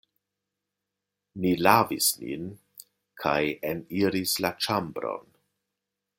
Ni lavis nin kaj eniris la ĉambron.